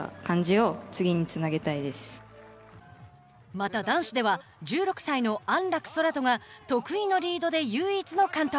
また男子では１６歳の安楽宙斗が得意のリードで唯一の完登。